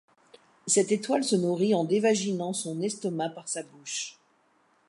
Cette étoile se nourrit en dévaginant son estomac par sa bouche.